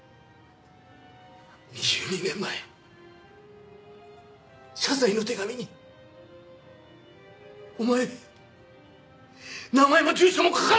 ２２年前謝罪の手紙にお前名前も住所も書かなかった！